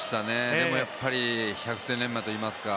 でもやっぱり百戦錬磨と言いますか。